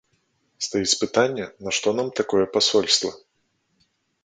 Стаіць пытанне, нашто нам такое пасольства?